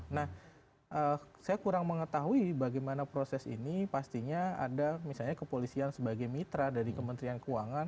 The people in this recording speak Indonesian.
nah saya kurang mengetahui bagaimana proses ini pastinya ada misalnya kepolisian sebagai mitra dari kementerian keuangan